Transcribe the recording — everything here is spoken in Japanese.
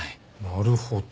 なるほど。